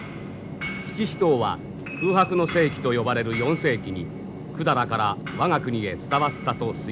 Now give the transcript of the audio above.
七支刀は空白の世紀と呼ばれる４世紀に百済から我が国へ伝わったと推定されている。